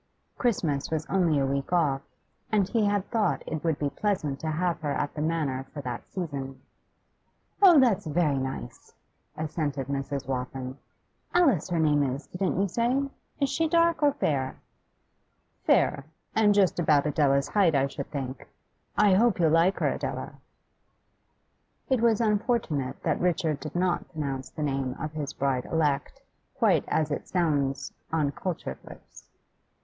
Christmas was only a week off, and he had thought it would be pleasant to have her at the Manor for that season. 'Oh, that's very nice!' assented Mrs. Waltham. 'Alice, her name is, didn't you say? Is she dark or fair?' 'Fair, and just about Adela's height, I should think. I hope you'll like her, Adela.' It was unfortunate that Richard did not pronounce the name of his bride elect quite as it sounds on cultured lips.